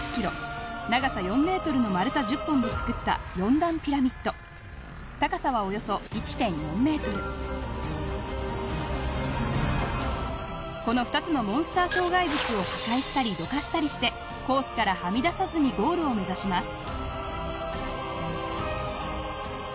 長さ４ｍの丸太１０本で作った４段ピラミッド高さはおよそ１．４ｍこの２つのモンスター障害物を破壊したりどかしたりしてコースからはみ出さずにゴールを目指します